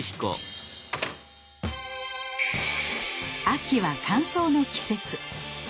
秋は乾燥の季節。